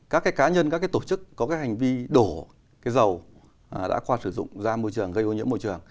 các cái cá nhân các cái tổ chức có cái hành vi đổ cái dầu đã qua sử dụng ra môi trường gây ô nhiễm môi trường